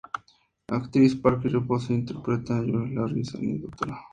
La actriz Parker Posey interpreta a June Harris alias Dra.